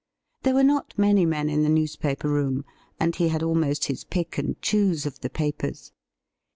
There were not many men in the newspaper room, and he had almost his ' pick and choose ' of the papers.